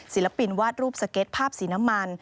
ศิลปินวาดรูปสเก็ตภาพสีน้ำมัน